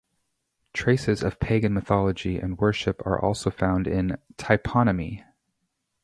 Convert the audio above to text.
Traces of pagan mythology and worship are also found in toponymy.